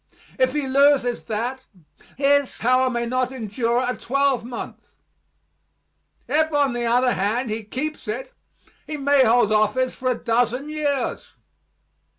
If he loses that, his power may not endure a twelvemonth; if on the other hand, he keeps it, he may hold office for a dozen years.